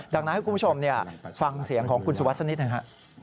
ดังนั้นให้คุณผู้ชมฟังเสียงของคุณสุวัสดิสักนิดหนึ่งฮะ